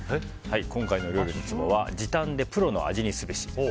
今回の料理のツボは時短でプロの味にすべし。